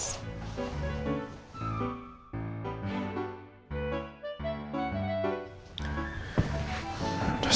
ya udah bagus